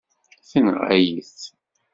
Tenɣa-yi-t.